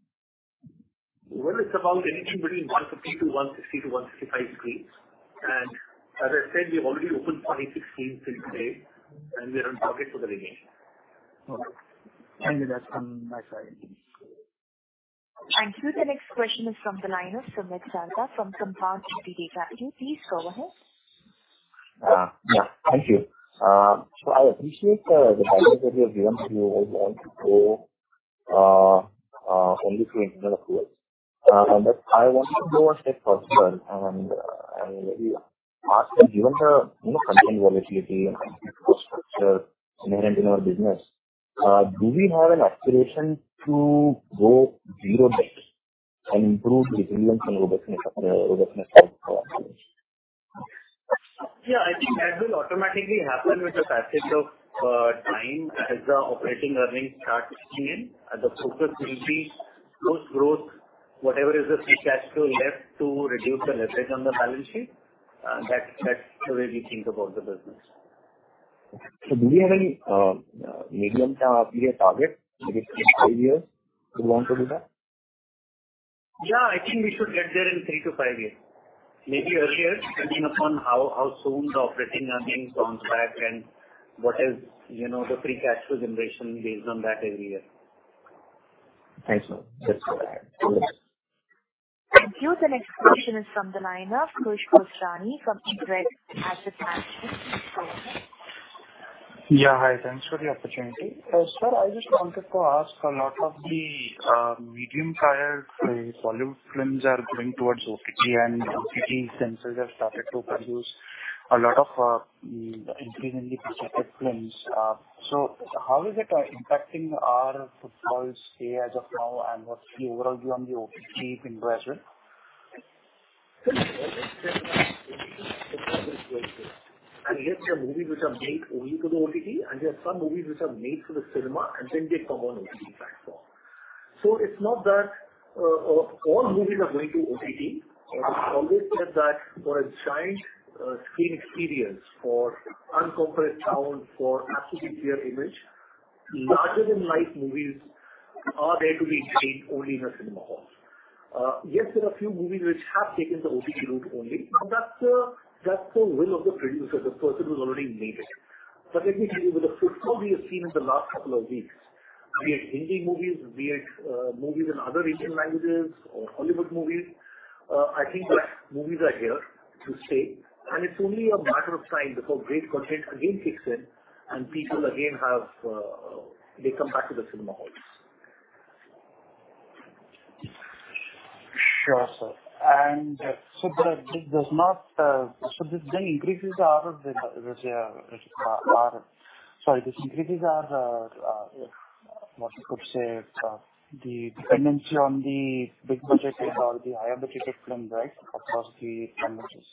Well, it's about anything between 150 screens to 160 screens to 165 screens. As I said, we've already opened 46 screens till today, and we are on target for the remaining. Okay. Thank you. That's on my side. Thank you. The next question is from the line of Sumit Sarda from Compound Everyday Capital. Please go ahead. Yeah, thank you. I appreciate the guidance that you have given, you want to go only through internal accruals. I want to go one step further, and maybe ask that given the, you know, content volatility and cost structure inherent in our business, do we have an aspiration to go zero debt and improve the resilience and robustness, robustness of our? Yeah, I think that will automatically happen with the passage of time as the operating earnings start kicking in, and the focus will be post-growth, whatever is the free cash flow left to reduce the leverage on the balance sheet. That's, that's the way we think about the business. Do you have any medium-term clear target, maybe in five years, you want to do that? Yeah, I think we should get there in three to five years. Maybe earlier, depending upon how, how soon the operating earnings comes back and what is, you know, the free cash flow generation based on that every year. Thanks, sir. That's all. Thank you. The next question is from the line of Khush Gosrani from InCred Asset Management. Go ahead. Yeah, hi. Thanks for the opportunity. sir, I just wanted to ask, a lot of the medium-tier Bollywood films are going towards OTT, and OTTs themselves have started to produce a lot of increasingly budgeted films. How is it impacting our footfalls say as of now, and what's the overall view on the OTT window as well? Yes, there are movies which are made only for the OTT, and there are some movies which are made for the cinema and then they come on OTT platform. It's not that all movies are going to OTT. It's always said that for a giant screen experience, for unconquered sound, for absolutely clear image, larger-than-life movies are there to be enjoyed only in a cinema hall. Yes, there are a few movies which have taken the OTT route only. That's the, that's the will of the producer, the person who's already made it. Let me tell you, with the football we have seen in the last couple of weeks, be it Hindi movies, be it, movies in other Indian languages or Hollywood movies, I think that movies are here to stay, and it's only a matter of time before great content again kicks in and people again have- They come back to the cinema halls. Sure, sir. So but this does not, so this then increases the our- Sorry, the increases are what you could say, the dependency on the big budgeted or the higher budgeted films, right? Across the languages.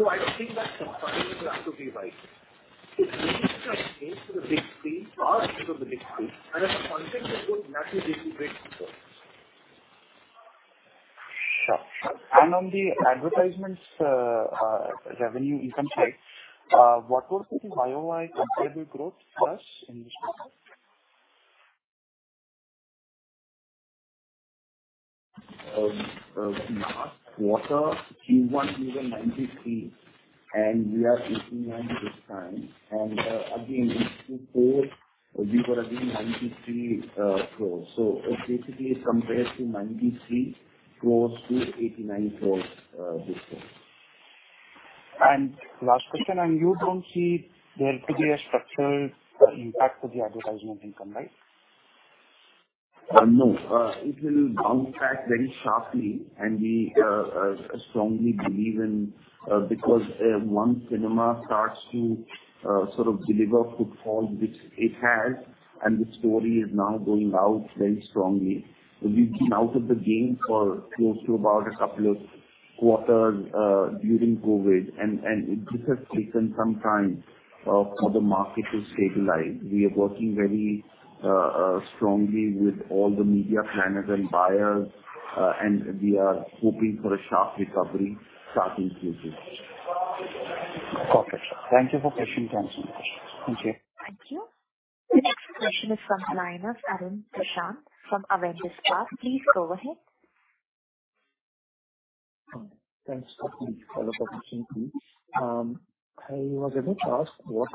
I don't think that comparison is absolutely right. It's really a change to the big screen of the big screen, and as a concept, it would naturally be great footfall. Sure. On the advertisements, revenue income side, what was the year-over-year comparable growth for us in this quarter? Last quarter, Q1 was 93 crore, and we are 89 crore this time. Again, in Q4, we were again 93 crore. Basically compared to 93 crore to 89 crore this year. Last question, and you don't see there to be a structural impact to the advertisement income, right? No, it will bounce back very sharply, and we strongly believe in, because once cinema starts to sort of deliver footfalls, which it has, and the story is now going out very strongly. We've been out of the game for close to about couple of quarters during COVID, and this has taken some time for the market to stabilize. We are working very strongly with all the media planners and buyers, and we are hoping for a sharp recovery starting Q2. Perfect. Thank you for answering questions. Thank you. Thank you. The next question is from Arun Prasath from Avendus Spark. Please go ahead. Thanks for the follow-up opportunity. I was gonna ask, what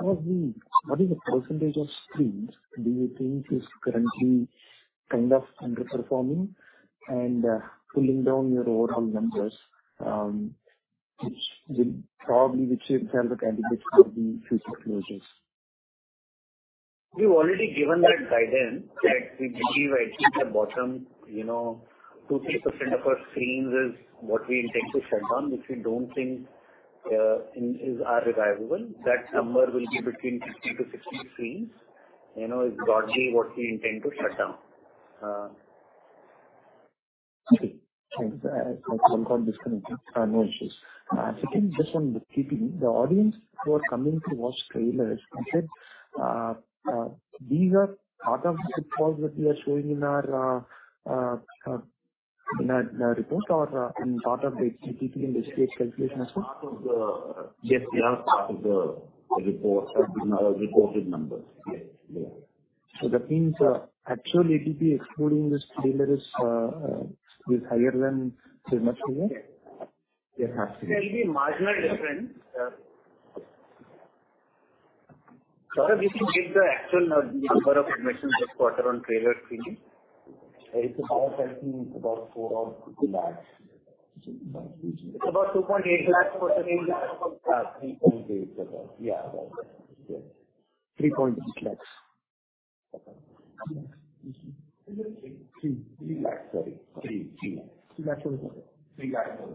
is the percentage of screens do you think is currently kind of underperforming and pulling down your overall numbers, which will probably, which itself are candidates for the future closures? We've already given that guidance, that we believe it's the bottom, you know, 2%-3% of our screens is what we intend to shut down, which we don't think are reliable. That number will be between 50-60 screens, you know, is broadly what we intend to shut down. Okay, thanks. I got disconnected. No issues. Second, just on the bookkeeping, the audience who are coming to watch trailers, you said, these are part of the footfalls that we are showing in our, in our, our report or in part of the ATP and SPH calculation as well? Part of the, yes, they are part of the report, reported numbers. Yes. Yeah. That means, actual ATP excluding this trailer is, is higher than cinema today? Yes, absolutely. There will be a marginal difference. Sir, we can give the actual number of admissions this quarter on trailer screening. It's about INR 4 odd lakh. It's about INR 2.8 lakh per cinema. Yeah, INR 3.8 lakh. Yeah, right. INR 3.8 lakh. Okay. INR 3 lakh, sorry. INR 3 lakh, INR 3 lakh. INR 3 lakh for the quarter? INR 3 lakh for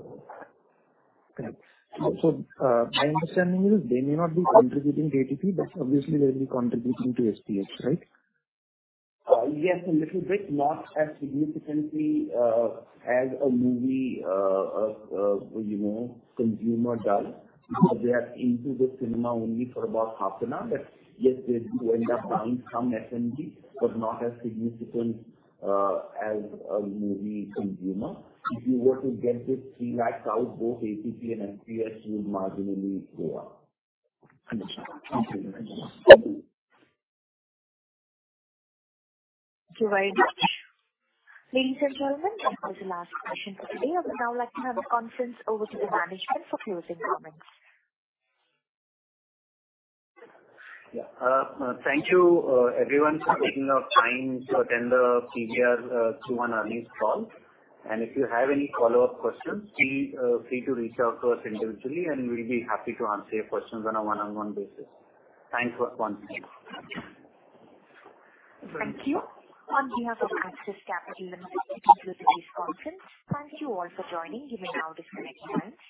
the quarter. My understanding is they may not be contributing to ATP, but obviously they'll be contributing to SPH, right? Yes, a little bit. Not as significantly, as a movie, you know, consumer does. They are into the cinema only for about half an hour. Yes, they do end up buying some F&B, but not as significant, as a movie consumer. If you were to get this 3 lakh out, both ATP and SPH will marginally go up. Understood. Thank you very much. Thank you very much. Ladies and gentlemen, that was the last question for today. I would now like to hand the conference over to the management for closing comments. Yeah. Thank you, everyone, for taking the time to attend the PVR INOX Q1 Earnings Call. If you have any follow-up questions, feel free to reach out to us individually, and we'll be happy to answer your questions on a one-on-one basis. Thanks for calling. Thank you. On behalf of Axis Capital Limited, we conclude today's conference. Thank you all for joining. You may now disconnect lines.